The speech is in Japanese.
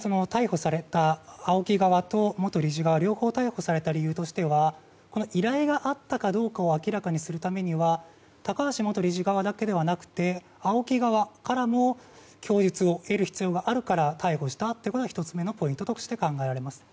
ＡＯＫＩ側と元理事側両方を逮捕された理由としては依頼があったかどうかを明らかにするためには高橋元理事側だけではなくＡＯＫＩ側からの供述を得る必要があるから逮捕したというのが、１つ目のポイントとして考えられます。